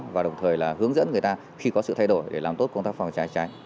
và đồng thời là hướng dẫn người ta khi có sự thay đổi để làm tốt công tác phòng cháy cháy